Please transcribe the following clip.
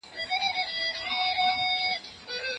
د خوړو پر مهال د خدای نوم واخلئ.